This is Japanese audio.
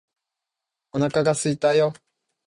お腹がすいたよ